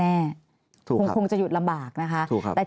ถูกค่ะถูกค่ะคงจะหยุดลำบากนะคะ